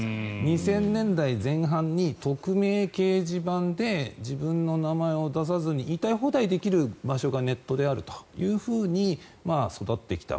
２０００年代前半に匿名掲示板で自分の名前を出さずに言いたい放題できる場所がネットであるというふうに育ってきた。